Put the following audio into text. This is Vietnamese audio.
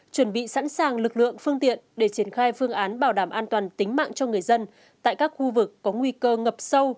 chuẩn bị sẵn sàng lực lượng phương tiện để triển khai phương án bảo đảm an toàn tính mạng cho người dân tại các khu vực có nguy cơ ngập sâu